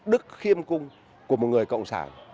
đức khiêm cung của một người cộng sản